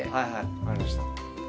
分かりました。